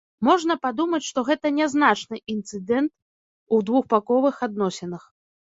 Можна падумаць, што гэта нязначны інцыдэнт у двухбаковых адносінах.